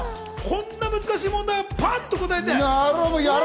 こんな難しい問題、パッと答えて！